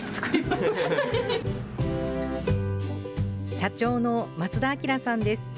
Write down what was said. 社長の松田明さんです。